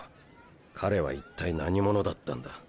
彼は一体何者だったんだ？